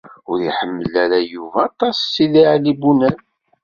Ur iḥemmel ara Yuba aṭas Sidi Ɛli Bunab.